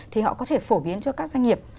thì họ có thể phổ biến cho các doanh nghiệp